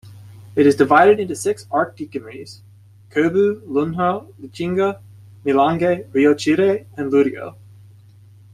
It is divided into six archdeaconries: Cobue, Lunho, Lichinga, Milange, Rio Chire and Lurio.